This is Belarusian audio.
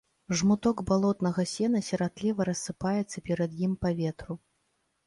Жмуток балотнага сена сіратліва рассыпаецца перад ім па ветру.